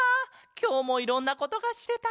きょうもいろんなことがしれた。